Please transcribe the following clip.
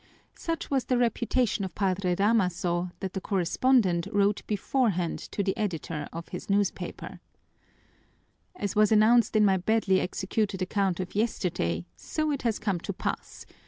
Such was the reputation of Padre Damaso that the correspondent wrote beforehand to the editor of his newspaper: "As was announced in my badly executed account of yesterday, so it has come to pass.